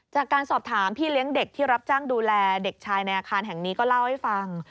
จากการสอบถามพี่เลี้ยงเด็กที่รับจ้างดูแลเด็กชายในอาคารแห่งนี้ก็เล่าให้ฟัง